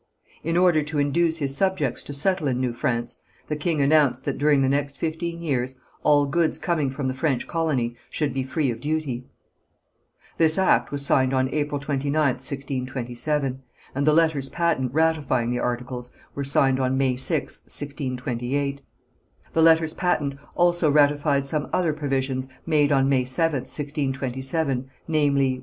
In order to induce his subjects to settle in New France the king announced that during the next fifteen years all goods coming from the French colony should be free of duty. This act was signed on April 29th, 1627, and the letters patent ratifying the articles were signed on May 6th, 1628. The letters patent also ratified some other provisions made on May 7th, 1627, namely: (1.)